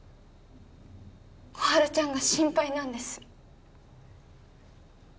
心春ちゃんが心配なんです